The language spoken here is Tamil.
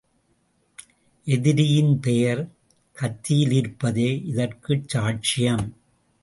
எதிரியின் பெயர் கத்தியிலிருப்பதே இதற்குச் சாட்சியம்.